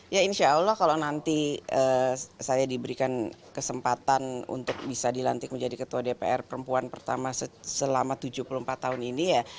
ya insya allah kalau nanti saya diberikan kesempatan untuk bisa dilantik menjadi ketua dpr perempuan pertama selama tujuh puluh empat tahun ini ya